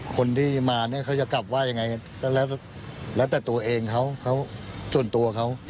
คนที่มาเขาจะกลับว่าอย่างไรแล้วแต่ตัวเองเขาส่วนตัวเขา